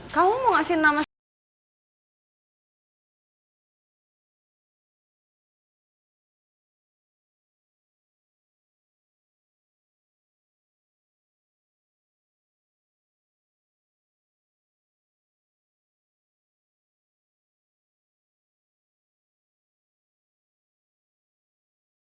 kamu mau gak kasih nama siapa